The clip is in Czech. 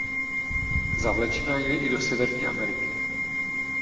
Zavlečena je i do Severní Ameriky.